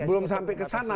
belum sampai kesana